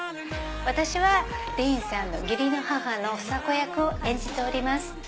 私はディーンさんの義理の母の聡子役を演じております。